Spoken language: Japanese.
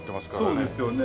そうですよね。